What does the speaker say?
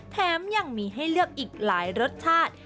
แถมยังมีให้เลือกอีกหลายรสชาติ